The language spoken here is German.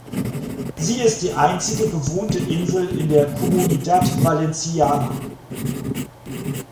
Sie ist die einzige bewohnte Insel in der Comunidad Valenciana.